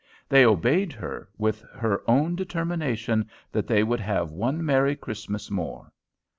They obeyed her, with her own determination that they would have one merry Christmas more.